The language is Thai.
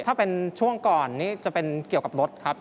ถ้าเป็นช่วงก่อนนี้จะเป็นเกี่ยวกับรถครับ